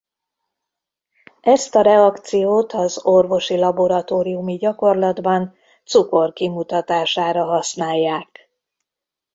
Ezt a reakciót az orvosi laboratóriumi gyakorlatban cukor kimutatására használják.